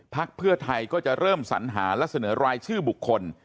เพื่อไทยก็จะเริ่มสัญหาและเสนอรายชื่อบุคคล